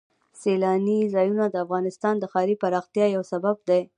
سیلاني ځایونه د افغانستان د ښاري پراختیا یو سبب دی.